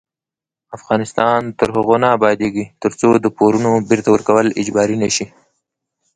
افغانستان تر هغو نه ابادیږي، ترڅو د پورونو بیرته ورکول اجباري نشي.